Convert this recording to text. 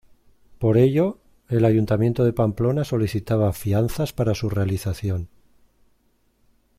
Por ello, el ayuntamiento de Pamplona solicitaba fianzas para su realización.